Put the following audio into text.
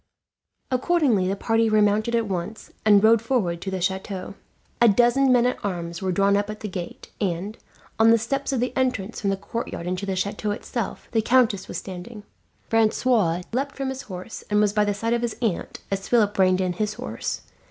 Accordingly the party remounted at once, and rode forward to the chateau. A dozen men at arms were drawn up at the gate and, on the steps of the entrance from the courtyard into the chateau itself, the countess was standing. Francois leapt from his horse, and was by the side of his aunt as Philip reined in his horse.